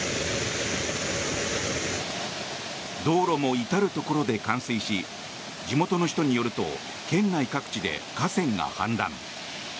道路も至るところで冠水し地元の人によると県内各地で河川が氾濫。